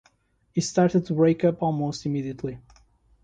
She started to break up almost immediately.